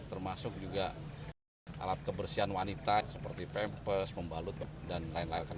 termasuk juga alat kebersihan wanita seperti pempes pembalut dan lain lain